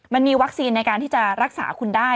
มันมีวัคซีนในการที่จะรักษาคุณได้